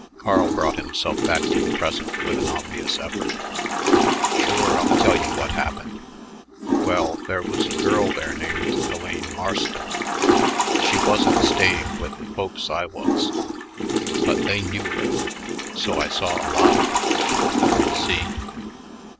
Carl brought himself back to the present with an obvious effort. "Sure, I'll tell you what happened. Well, there was a girl there named Elaine Marston. She wasn't staying with the folks I was, but they knew her, so I saw a lot of her. See?"